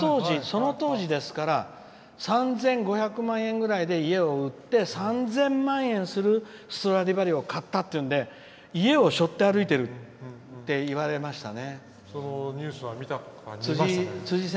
その当時ですから３５００万円ぐらいで家を売って、３０００万円するストラディバリを買ったっていうんで家をしょって歩いてるって言われましたね。